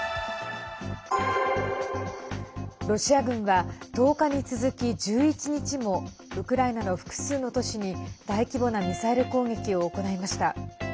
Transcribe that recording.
ロシア軍は１０日に続き１１日もウクライナの複数の都市に大規模なミサイル攻撃を行いました。